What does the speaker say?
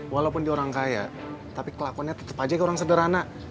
walaupun dia orang kaya tapi kelakuan nya tetep aja kayak orang sederhana